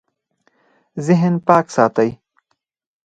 ذهن پاک ساتئ